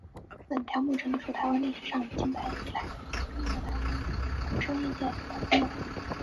本条目整理出台湾历史上与近代以来著名的台湾工商业界领导人物。